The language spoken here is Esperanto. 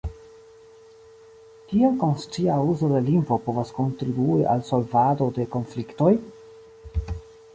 Kiel konscia uzo de lingvo povas kontribui al solvado de konfliktoj?